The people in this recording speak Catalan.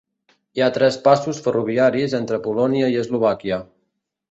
Hi ha tres passos ferroviaris entre Polònia i Eslovàquia.